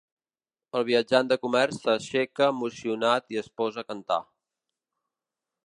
El viatjant de comerç s'aixeca emocionat i es posa a cantar.